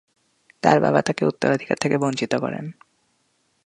তার বাবা তাকে উত্তরাধিকার থেকে বঞ্চিত করেন।